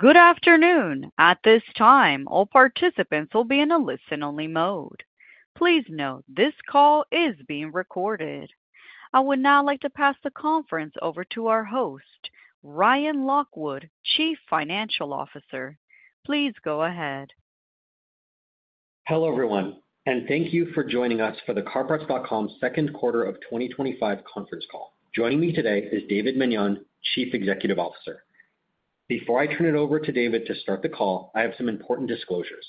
Good afternoon. At this time, all participants will be in a listen-only mode. Please note this call is being recorded. I would now like to pass the conference over to our host, Ryan Lockwood, Chief Financial Officer. Please go ahead. Hello everyone, and thank you for joining us for the CarParts.com Second Quarter of 2025 Conference Call. Joining me today is David Meniane, Chief Executive Officer. Before I turn it over to David to start the call, I have some important disclosures.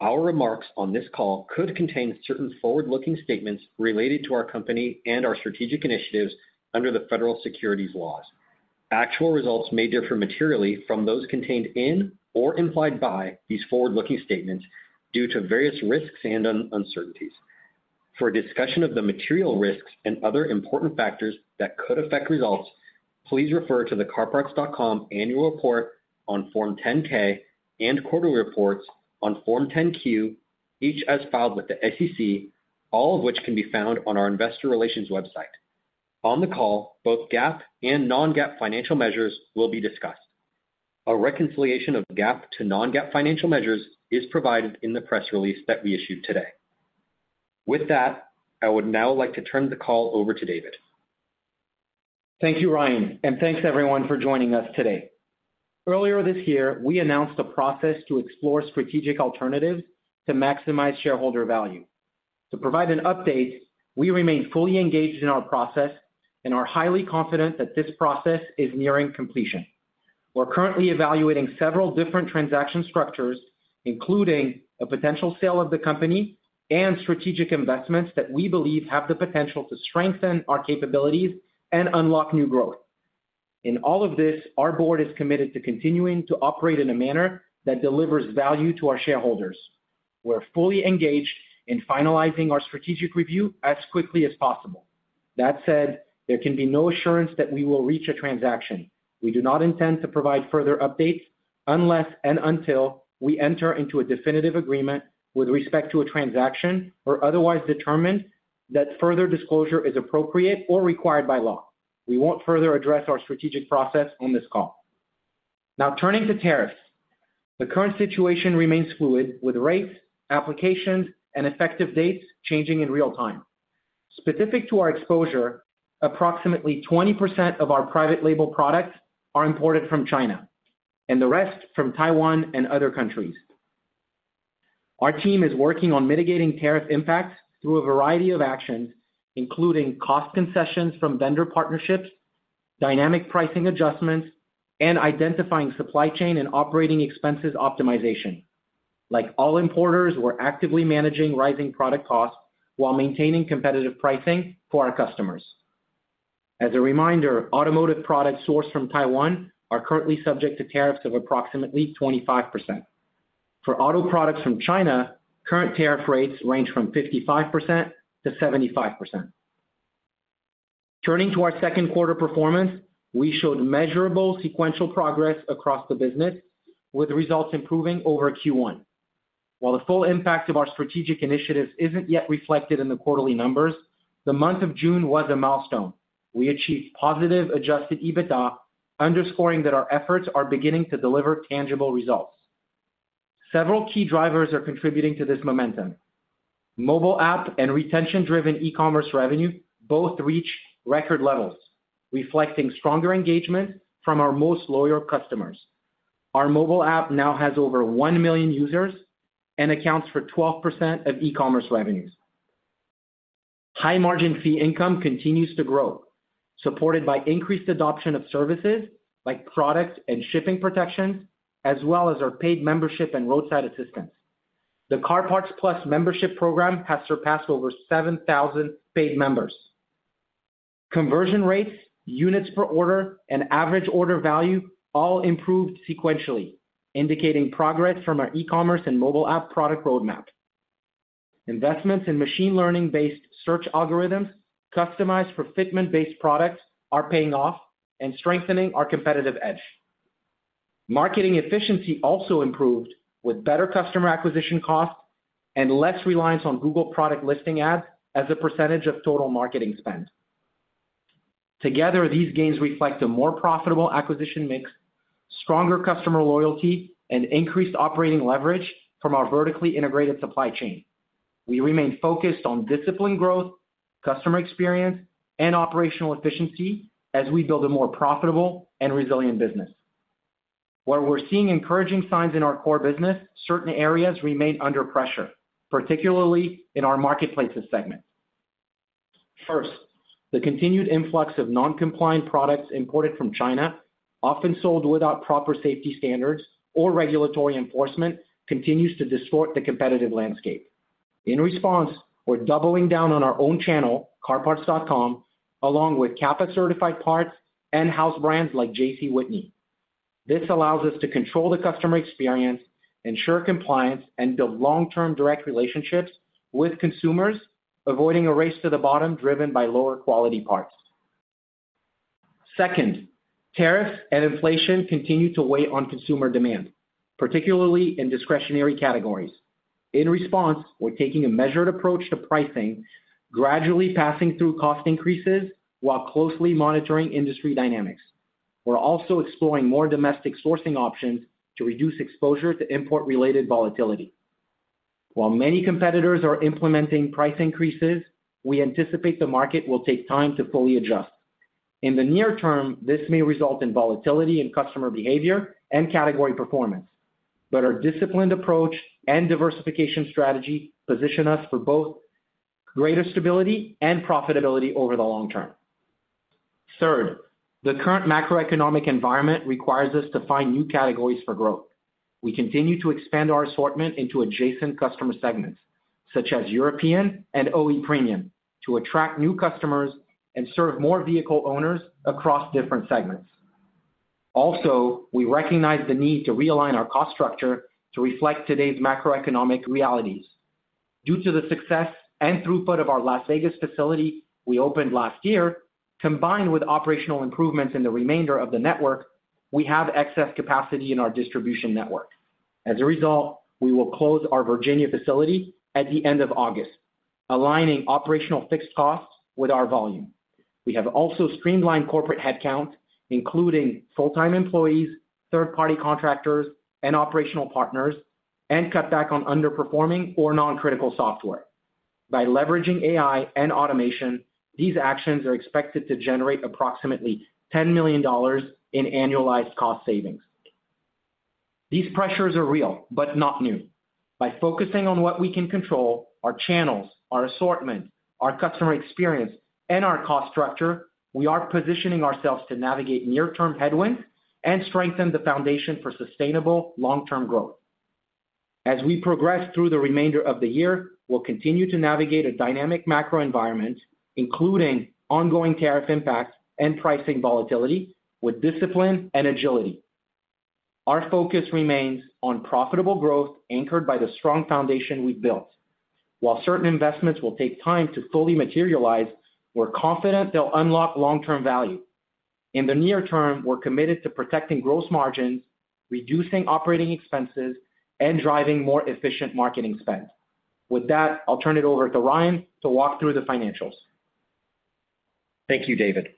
Our remarks on this call could contain certain forward-looking statements related to our company and our strategic initiatives under the Federal Securities Laws. Actual results may differ materially from those contained in or implied by these forward-looking statements due to various risks and uncertainties. For a discussion of the material risks and other important factors that could affect results, please refer to the CarParts.com Annual Report on Form 10-K and Quarterly Reports on Form 10-Q, each as filed with the SEC, all of which can be found on our Investor Relations website. On the call, both GAAP and non-GAAP financial measures will be discussed. A reconciliation of GAAP to non-GAAP financial measures is provided in the press release that we issued today. With that, I would now like to turn the call over to David. Thank you, Ryan, and thanks everyone for joining us today. Earlier this year, we announced a process to explore strategic alternatives to maximize shareholder value. To provide an update, we remain fully engaged in our process and are highly confident that this process is nearing completion. We're currently evaluating several different transaction structures, including a potential sale of the company and strategic investments that we believe have the potential to strengthen our capabilities and unlock new growth. In all of this, our board is committed to continuing to operate in a manner that delivers value to our shareholders. We're fully engaged in finalizing our strategic review as quickly as possible. That said, there can be no assurance that we will reach a transaction. We do not intend to provide further updates unless and until we enter into a definitive agreement with respect to a transaction or otherwise determine that further disclosure is appropriate or required by law. We won't further address our strategic process on this call. Now, turning to tariffs, the current situation remains fluid, with rates, applications, and effective dates changing in real time. Specific to our exposure, approximately 20% of our private label products are imported from China, and the rest from Taiwan and other countries. Our team is working on mitigating tariff impacts through a variety of actions, including cost concessions from vendor partnerships, dynamic pricing adjustments, and identifying supply chain and operating expenses optimization. Like all importers, we're actively managing rising product costs while maintaining competitive pricing for our customers. As a reminder, automotive products sourced from Taiwan are currently subject to tariffs of approximately 25%. For auto products from China, current tariff rates range from 55%-75%. Turning to our second quarter performance, we showed measurable sequential progress across the business, with results improving over Q1. While the full impact of our strategic initiatives isn't yet reflected in the quarterly numbers, the month of June was a milestone. We achieved positive adjusted EBITDA, underscoring that our efforts are beginning to deliver tangible results. Several key drivers are contributing to this momentum. Mobile app and retention-driven e-commerce revenue both reached record levels, reflecting stronger engagement from our most loyal customers. Our mobile app now has over 1 million users and accounts for 12% of e-commerce revenues. High margin fee income continues to grow, supported by increased adoption of services like product and shipping protection, as well as our paid membership and roadside assistance. The CarParts+ membership program has surpassed over 7,000 paid members. Conversion rates, units per order, and average order value all improved sequentially, indicating progress from our e-commerce and mobile app product roadmap. Investments in machine learning-based search algorithms customized for fitment-based products are paying off and strengthening our competitive edge. Marketing efficiency also improved with better customer acquisition costs and less reliance on Google product listing ads as a percentage of total marketing spend. Together, these gains reflect a more profitable acquisition mix, stronger customer loyalty, and increased operating leverage from our vertically integrated supply chain. We remain focused on disciplined growth, customer experience, and operational efficiency as we build a more profitable and resilient business. While we're seeing encouraging signs in our core business, certain areas remain under pressure, particularly in our marketplaces segment. First, the continued influx of non-compliant products imported from China, often sold without proper safety standards or regulatory enforcement, continues to distort the competitive landscape. In response, we're doubling down on our own channel, CarParts.com, along with CAPA-certified parts and house brands like JC Whitney. This allows us to control the customer experience, ensure compliance, and build long-term direct relationships with consumers, avoiding a race to the bottom driven by lower quality parts. Tariffs and inflation continue to weigh on consumer demand, particularly in discretionary categories. In response, we're taking a measured approach to pricing, gradually passing through cost increases while closely monitoring industry dynamics. We're also exploring more domestic sourcing options to reduce exposure to import-related volatility. While many competitors are implementing price increases, we anticipate the market will take time to fully adjust. In the near term, this may result in volatility in customer behavior and category performance. Our disciplined approach and diversification strategy position us for both greater stability and profitability over the long term. Third, the current macroeconomic environment requires us to find new categories for growth. We continue to expand our assortment into adjacent customer segments, such as European and OE Premium, to attract new customers and serve more vehicle owners across different segments. Also, we recognize the need to realign our cost structure to reflect today's macroeconomic realities. Due to the success and throughput of our Las Vegas facility we opened last year, combined with operational improvements in the remainder of the network, we have excess capacity in our distribution network. As a result, we will close our Virginia facility at the end of August, aligning operational fixed costs with our volume. We have also streamlined corporate headcount, including full-time employees, third-party contractors, and operational partners, and cut back on underperforming or non-critical software. By leveraging AI and automation, these actions are expected to generate approximately $10 million in annualized cost savings. These pressures are real, but not new. By focusing on what we can control, our channels, our assortment, our customer experience, and our cost structure, we are positioning ourselves to navigate near-term headwinds and strengthen the foundation for sustainable long-term growth. As we progress through the remainder of the year, we'll continue to navigate a dynamic macro environment, including ongoing tariff impacts and pricing volatility, with discipline and agility. Our focus remains on profitable growth anchored by the strong foundation we've built. While certain investments will take time to fully materialize, we're confident they'll unlock long-term value. In the near term, we're committed to protecting gross margins, reducing operating expenses, and driving more efficient marketing spend. With that, I'll turn it over to Ryan to walk through the financials. Thank you, David.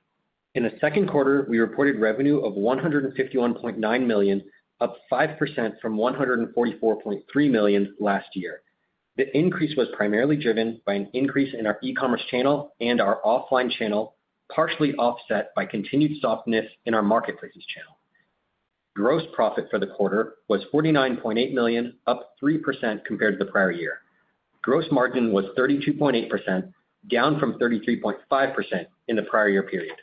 In the second quarter, we reported revenue of $151.9 million, up 5% from $144.3 million last year. The increase was primarily driven by an increase in our e-commerce channel and our offline channel, partially offset by continued softness in our marketplaces channel. Gross profit for the quarter was $49.8 million, up 3% compared to the prior year. Gross margin was 32.8%, down from 33.5% in the prior year period.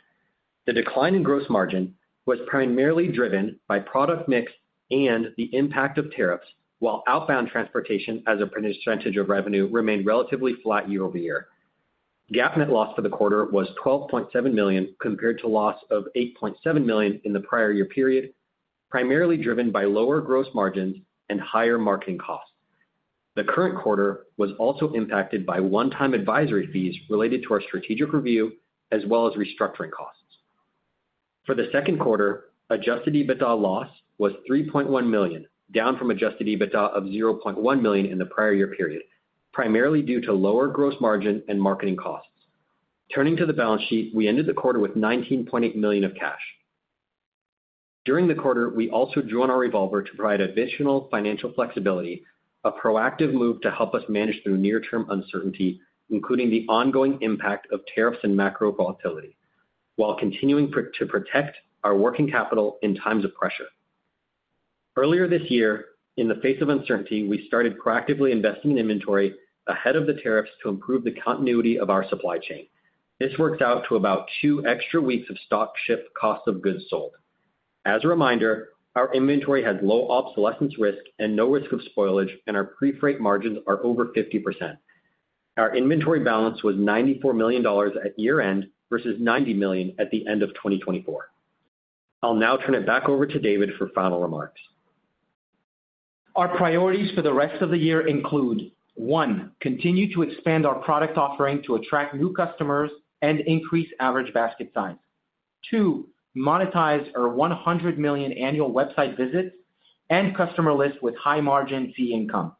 The decline in gross margin was primarily driven by product mix and the impact of tariffs, while outbound transportation as a percentage of revenue remained relatively flat year over year. GAAP net loss for the quarter was $12.7 million compared to loss of $8.7 million in the prior year period, primarily driven by lower gross margins and higher marketing costs. The current quarter was also impacted by one-time advisory fees related to our strategic review, as well as restructuring costs. For the second quarter, adjusted EBITDA loss was $3.1 million, down from adjusted EBITDA of $0.1 million in the prior year period, primarily due to lower gross margin and marketing costs. Turning to the balance sheet, we ended the quarter with $19.8 million of cash. During the quarter, we also drew on our revolver to provide additional financial flexibility, a proactive move to help us manage through near-term uncertainty, including the ongoing impact of tariffs and macro volatility, while continuing to protect our working capital in times of pressure. Earlier this year, in the face of uncertainty, we started proactively investing in inventory ahead of the tariffs to improve the continuity of our supply chain. This worked out to about two extra weeks of stock shipped cost of goods sold. As a reminder, our inventory has low obsolescence risk and no risk of spoilage, and our pre-freight margins are over 50%. Our inventory balance was $94 million at year-end versus $90 million at the end of 2024. I'll now turn it back over to David for final remarks. Our priorities for the rest of the year include: one, continue to expand our product offering to attract new customers and increase average basket size. Two, monetize our $100 million annual website visit and customer list with high margin fee income.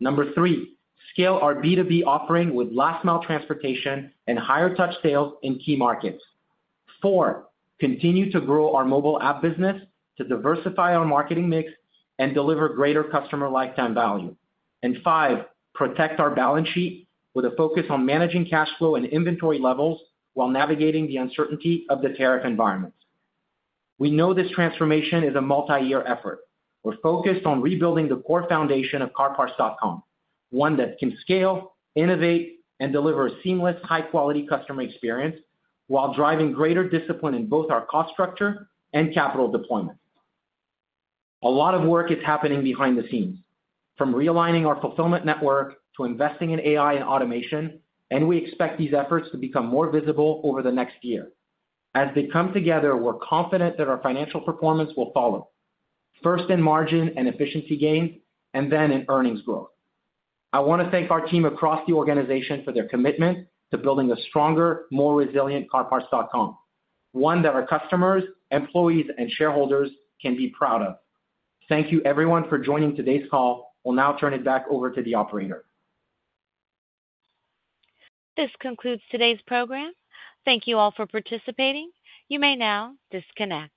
Number three, scale our B2B offering with last-mile transportation and higher touch sales in key markets. Four, continue to grow our mobile app business to diversify our marketing mix and deliver greater customer lifetime value. Five, protect our balance sheet with a focus on managing cash flow and inventory levels while navigating the uncertainty of the tariff environment. We know this transformation is a multi-year effort. We're focused on rebuilding the core foundation of CarParts.com, one that can scale, innovate, and deliver a seamless, high-quality customer experience while driving greater discipline in both our cost structure and capital deployment. A lot of work is happening behind the scenes, from realigning our fulfillment network to investing in AI and automation, and we expect these efforts to become more visible over the next year. As they come together, we're confident that our financial performance will follow, first in margin and efficiency gains, and then in earnings growth. I want to thank our team across the organization for their commitment to building a stronger, more resilient CarParts.com, one that our customers, employees, and shareholders can be proud of. Thank you, everyone, for joining today's call. We'll now turn it back over to the operator. This concludes today's program. Thank you all for participating. You may now disconnect.